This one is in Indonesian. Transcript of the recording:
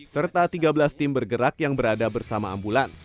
serta tiga belas tim bergerak yang berada bersama ambulans